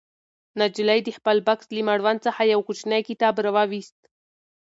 نجلۍ د خپل بکس له مړوند څخه یو کوچنی کتاب راوویست.